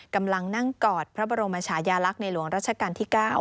กำลังนั่งกอดพระบรมชายาลักษณ์ในหลวงรัชกาลที่๙